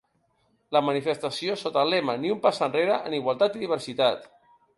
La manifestació, sota el lema Ni un pas enrere en igualtat i diversitat.